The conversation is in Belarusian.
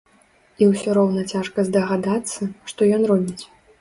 І ўсё роўна цяжка здагадацца, што ён робіць.